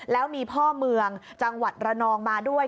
แล้วมีพ่อเมืองจังหวัดระนองมาด้วย